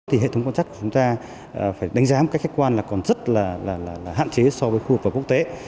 hệ thống công tác của chúng ta phải đánh giá một cách khách quan là còn rất là hạn chế so với khu vực và quốc tế